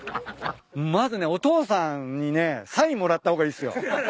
まずねお父さんにねサインもらった方がいいっすよ。